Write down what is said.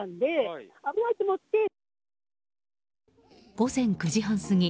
午前９時半過ぎ